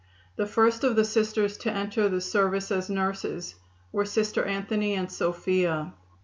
The first of the Sisters to enter the service as nurses were Sisters Anthony and Sophia.